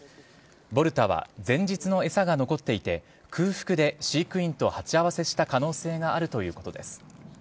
ボルタは前日の餌が残っていて空腹で飼育員と鉢合わせした可能性があるということです。